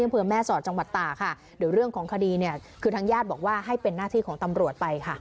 อำเภอแม่สอดจังหวัดตาค่ะเดี๋ยวเรื่องของคดีเนี่ยคือทางญาติบอกว่าให้เป็นหน้าที่ของตำรวจไปค่ะ